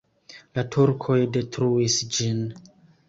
La turkoj detruis ĝin.